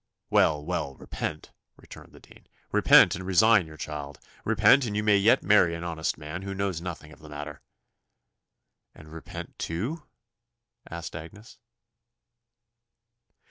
"Well, well, repent," returned the dean; "repent, and resign your child. Repent, and you may yet marry an honest man who knows nothing of the matter." "And repent too?" asked Agnes.